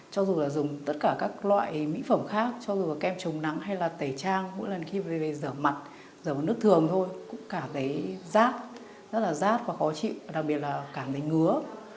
cho dù là dùng tất cả các loại mỹ phẩm khác cho dù là kem chống nắng hay là tẩy trang mỗi lần khi về rửa mặt rửa mặt nước thường thôi cũng cảm thấy rát rất là rát và khó chịu đặc biệt là cảm thấy ngứa